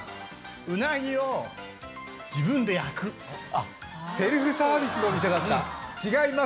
うなぎを自分で焼くセルフサービスのお店だった違います